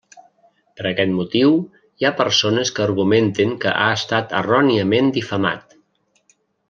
Per aquest motiu, hi ha persones que argumenten que ha estat erròniament difamat.